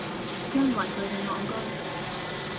因為佢哋戇居